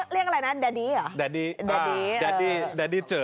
เรียกอะไรนะแดดดี้เหรอ